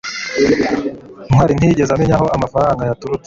ntwali ntiyigeze amenya aho amafaranga yaturutse